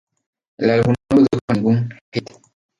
El álbum no produjo ningún "hit".